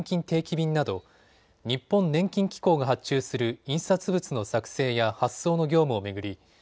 定期便など日本年金機構が発注する印刷物の作成や発送の業務を巡り